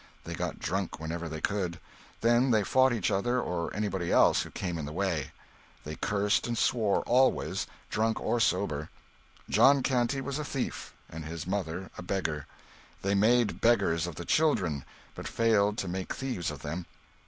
They got drunk whenever they could; then they fought each other or anybody else who came in the way; they cursed and swore always, drunk or sober; John Canty was a thief, and his mother a beggar. They made beggars of the children, but failed to make thieves of them.